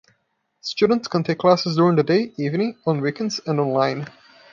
Students can take classes during the day, evening, on weekends, and online.